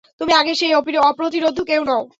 তুমি আগের সেই অপ্রতিরোধ্য কেউ নও!